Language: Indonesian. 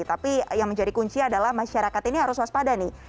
tapi yang menjadi kunci adalah masyarakat ini harus waspada nih